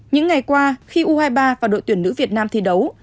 những ngày qua khi u hai mươi ba và đội tuyển nữ việt nam thi đấu